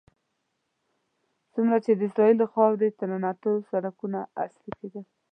څومره چې د اسرائیلو خاورې ته ننوتلو سړکونه عصري کېدل.